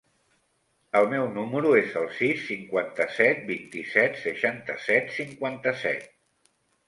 El meu número es el sis, cinquanta-set, vint-i-set, seixanta-set, cinquanta-set.